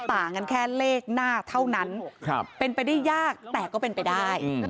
ต่างกันแค่เลขหน้าเท่านั้นเป็นไปได้ยากแต่ก็เป็นไปได้